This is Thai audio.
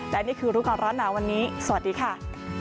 และนี่คือรู้ก่อนร้อนหนาวันนี้สวัสดีค่ะ